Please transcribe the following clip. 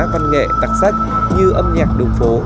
văn nghệ đặc sắc như âm nhạc đường phố